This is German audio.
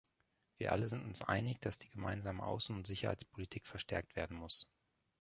Wir alle sind uns einig, dass die gemeinsame Außen- und Sicherheitspolitik verstärkt werden muss.